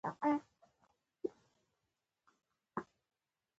د پښو د خولې لپاره د څه شي اوبه وکاروم؟